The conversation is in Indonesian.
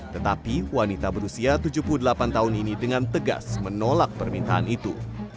tetapi wanita berusia tujuh puluh delapan tahun ini dengan tegas menolak permintaan itu